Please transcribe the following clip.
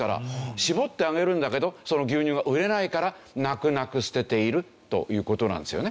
搾ってあげるんだけどその牛乳が売れないから泣く泣く捨てているという事なんですよね。